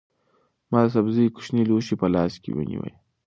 ما د سبزیو کوچنی لوښی په لاس کې ونیو.